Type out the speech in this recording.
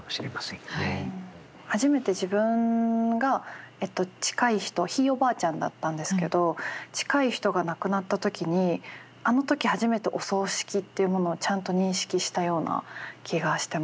初めて自分がえっと近い人ひいおばあちゃんだったんですけど近い人が亡くなった時にあの時初めてお葬式というものをちゃんと認識したような気がしてますね。